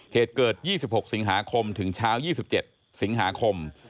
เหตุเกิด๒๖สิงหาคมถึงเช้า๒๗สิงหาคม